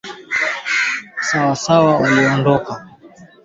sawa na dolo milioni mia moja sabini na tatu